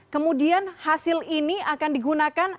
kemudian hasil ini akan digunakan